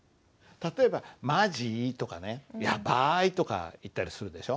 例えば「マジ」とかね「ヤバい」とか言ったりするでしょ。